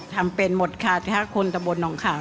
ทำเป็นหมดค่ะถ้าคนตะบนหนองขาว